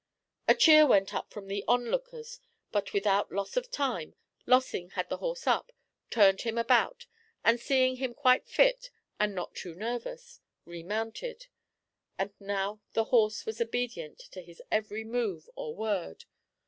A cheer went up from the onlookers. But without loss of time Lossing had the horse up, turned him about, and, seeing him quite fit and not too nervous, remounted; and now the horse was obedient to his every move or word.